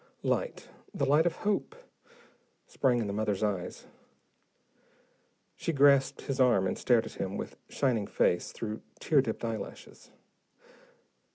Light, the light of hope, sprang in the mother's eyes. She grasped his arm and stared at him with shining face, through tear dipped eyelashes.